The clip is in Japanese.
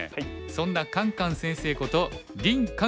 そんなカンカン先生こと林漢